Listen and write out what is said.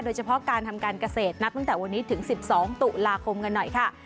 โดยเฉพาะการทำการเกษตรนับตั้งแต่วันนี้ถึง๑๒ตุลาคมกันหน่อยค่ะ